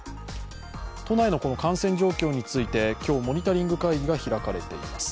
都内の感染状況について今日、モニタリング会議が開かれています。